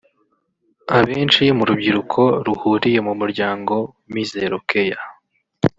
Abenshi mu rubyiruko ruhuriye mu muryango Mizero Care